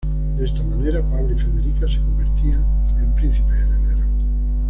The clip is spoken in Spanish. De esta manera Pablo y Federica se convertían en príncipes herederos.